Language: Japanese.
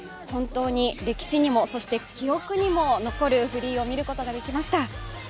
本当に、歴史にも記憶にも残るフリーを見ることができました。